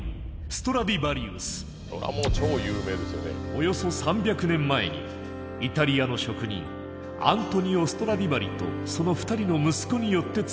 およそ３００年前にイタリアの職人アントニオ・ストラディヴァリとその２人の息子によって作られた。